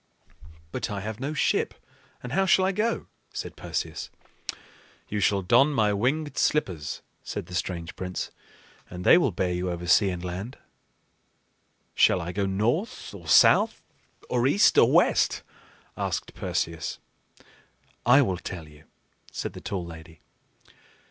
"But I have no ship, and how shall I go?" said Perseus. "You shall don my winged slippers," said the strange prince, "and they will bear you over sea and land." "Shall I go north, or south, or east, or west?" asked Perseus. "I will tell you," said the tall lady.